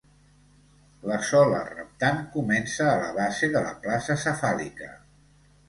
La sola reptant comença a la base de la placa cefàlica.